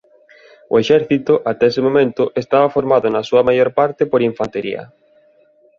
O exército ata ese momento estaba formado na súa maior parte por infantería.